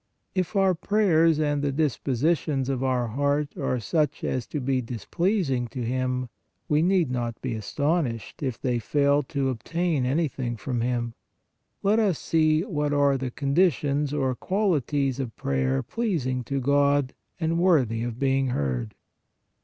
If our prayers and the dispositions of our heart are such as to be displeasing to Him, we need not be astonished, if they fail to obtain any thing from Him. Let us see what are the condi tions or qualities of prayer pleasing to God and worthy of being heard.